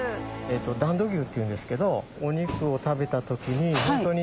段戸牛っていうんですけどお肉を食べた時にホントに。